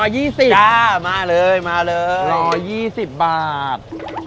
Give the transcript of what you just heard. จ้ามาเลยมาเลยใช่รอยยี่สิบบาท